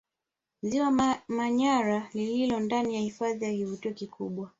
Ziwa Manyara lililo ndani ya hifadhi ni kivutio kikubwa